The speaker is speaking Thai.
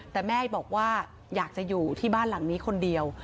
แต่แม่บอกว่าอยากจะอยู่ที่บ้านหลังนี้คนเดียว